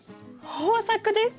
豊作です！